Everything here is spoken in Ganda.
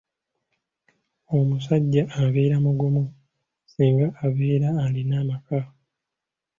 Omusajja abeera mugumu singa abeera alina amaka.